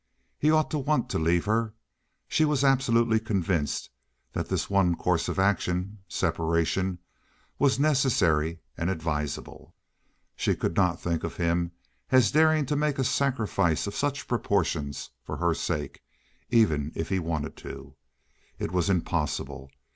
He ought to want to leave her. She was absolutely convinced that this one course of action—separation—was necessary and advisable. She could not think of him as daring to make a sacrifice of such proportions for her sake even if he wanted to. It was impossible.